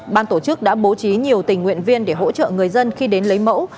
ban tổ chức đã bố trí nhiều tình nguyện viên để hỗ trợ người dân khi đến lấy mẫu